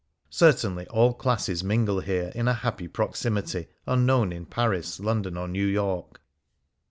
Certainly all classes mingle here in a happy proximity unknown in Paris, London, or New York.